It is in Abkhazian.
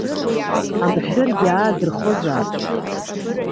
Амҳәыргьы аадырхозаап!